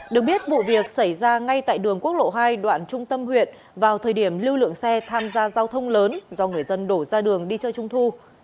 được biết vụ việc xảy ra ngay tại đường quốc lộ hai đoạn trung tâm huyện vào thời điểm lưu lượng xe tham gia giao thông lớn do người dân đổ ra đường đi chơi trung thu